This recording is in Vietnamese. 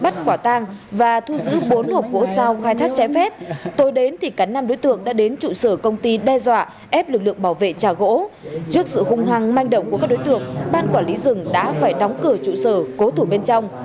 từ khung hăng manh động của các đối tượng ban quản lý rừng đã phải đóng cửa trụ sở cố thủ bên trong